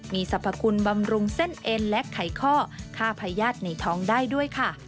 มีสรรพคุณบำรุงเส้นเอ็นและไขข้อฆ่าพญาติในท้องได้ด้วยค่ะ